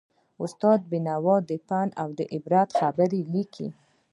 استاد بینوا د پند او عبرت خبرې لیکلې.